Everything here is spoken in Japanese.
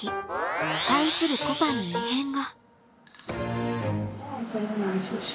愛するこぱんに異変が。